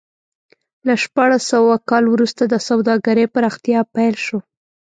له شپاړس سوه کال وروسته د سوداګرۍ پراختیا پیل شو.